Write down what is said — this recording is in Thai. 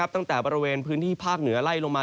ตั้งแต่บริเวณพื้นที่ภาคเหนือไล่ลงมา